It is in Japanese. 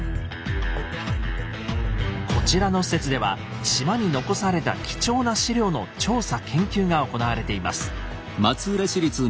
こちらの施設では島に残された貴重な史料の調査・研究が行われています。